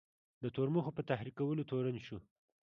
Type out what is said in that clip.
د تورمخو په تحریکولو تورن شو.